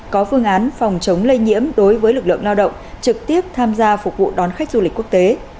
có phương án phòng chống lây nhiễm đối với lực lượng lao động trực tiếp tham gia phục vụ đón khách du lịch quốc tế